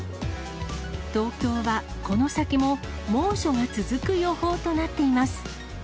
東京はこの先も猛暑が続く予報となっています。